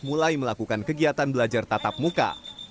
mulai melakukan kegiatan belajar tatap muka